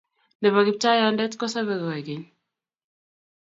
Ne bo Kiptaiyandet ko sabe koikeny